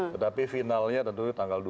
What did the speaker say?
tetapi finalnya tentunya tanggal dua puluh dua ini